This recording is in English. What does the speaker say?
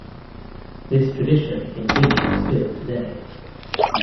This tradition continues still today.